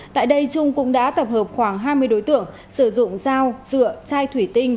tại đây trung cũng đã tập hợp khoảng hai mươi đối tượng sử dụng dao dựa chai thủy tinh